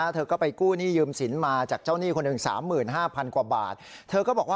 เธอก็ไปกู้หนี้ยืมศิลปุ่มมาจากเจ้านี่ของนี่คนนึง๓๕๐๐๐แบบ